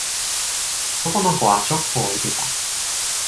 男の子はショックを受けた。